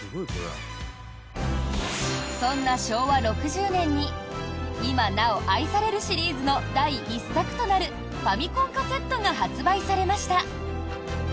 そんな昭和６０年に今なお愛されるシリーズの第１作となるファミコンカセットが発売されました。